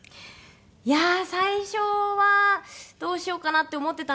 いやあ最初はどうしようかな？って思ってたんですけど